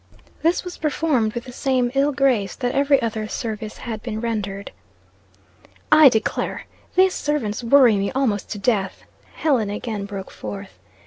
This was performed with the same ill grace that every other service had been rendered. "I declare! these servants worry me almost to death!" Helen again broke forth.